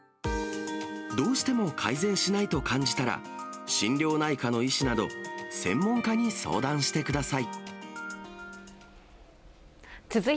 どうしても改善しないと感じたら、心療内科の医師など、専門家に相談してください。